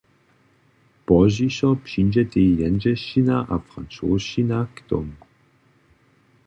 Pozdźišo přińdźetej jendźelšćina a francošćina k tomu.